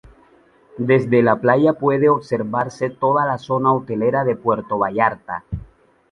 Desde la playa puede observarse toda la zona Hotelera de Puerto Vallarta.